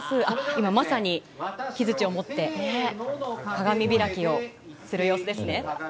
今まさに、木づちを持って鏡開きをする様子ですね。